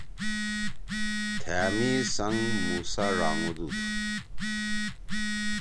تھأ می سنگ مُوسٰی ڙانگُودُو